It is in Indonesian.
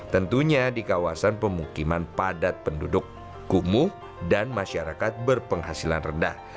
tentunya di kawasan pemukiman padat penduduk kumuh dan masyarakat berpenghasilan rendah